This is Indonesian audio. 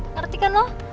ngerti kan lo